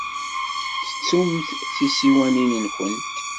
Tettumt tisiwanin-nwent.